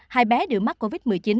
hai bé đưa mắc covid một mươi chín